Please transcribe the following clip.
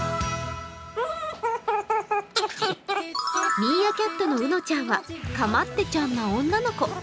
ミーアキャットのウノちゃんは構ってちゃんの女の子。